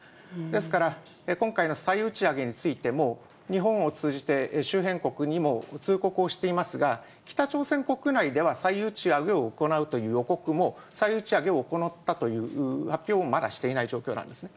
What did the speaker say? ですから、今回の再打ち上げについても、日本を通じて、周辺国にも通告をしていますが、北朝鮮国内では再打ち上げを行うという予告も、再打ち上げを行ったという発表もまだしていない状況なんですね。